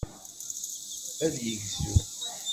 Ad yegzu.